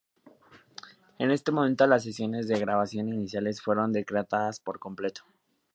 En ese momento las sesiones de grabación iniciales fueron descartadas por completo.